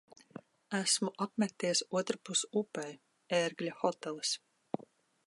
Esmu apmeties otrpus upei. "Ērgļa hotelis".